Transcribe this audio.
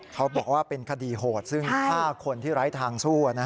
เขาบอกว่าเป็นคดีโหดซึ่งฆ่าคนที่ไร้ทางสู้